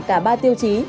cả ba tiêu chí